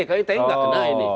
ke ite nggak kena ini